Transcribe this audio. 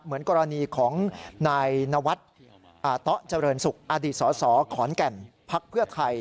เหมือนกรณีของนายนวัฒน์ตเจริญศุกร์อศขอนแก่นภักดิ์เพื่อไทย